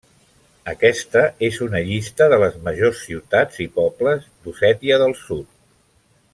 Aquesta és una llista de les majors ciutats i pobles d'Ossètia del Sud.